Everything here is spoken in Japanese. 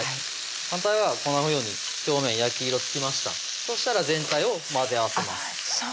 反対側はこのように表面焼き色つきましたそしたら全体を混ぜ合わせますあっ